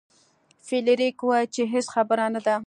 فلیریک وویل چې هیڅ خبره نه ده.